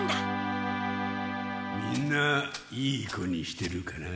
みんないい子にしてるかな？